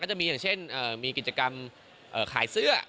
จะมีอย่างเช่นมีกิจกรรมขายเสื้อ